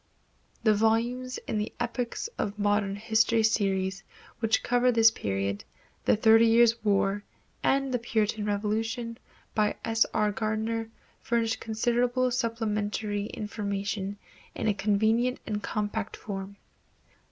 The volumes in the "Epochs of Modern History Series," which cover this period, The Thirty Years' War and the Puritan Revolution, by S. R. Gardiner, furnish considerable supplementary information in a convenient and compact form.